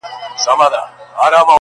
چي د ځوانیو هدیرې وژاړم!.